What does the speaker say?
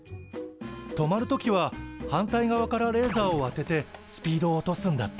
止まる時は反対側からレーザーを当ててスピードを落とすんだって。